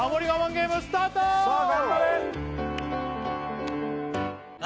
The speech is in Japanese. ゲームスタートさあ